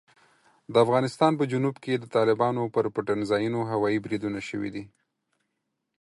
د افغانستان په جنوب کې د طالبانو پر پټنځایونو هوايي بریدونه شوي دي.